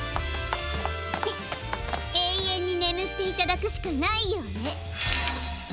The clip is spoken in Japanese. えいえんにねむっていただくしかないようね！